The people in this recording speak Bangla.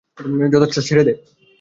যথেষ্ট, ছেড়ে দে।